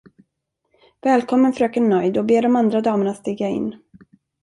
Välkommen fröken Nöjd och be de andra damerna stiga in.